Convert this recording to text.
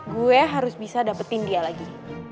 gue harus bisa dapetin dia lagi